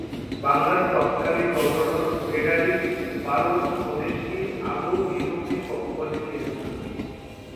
বাংলার তৎকালীন governor Frederick Burrows প্রদেশটির আদৌ বিভক্তির পক্ষপাতী ছিলেন না।